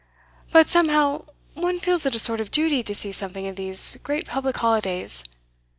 But somehow, one feels it a sort of duty to see something of these great public holidays.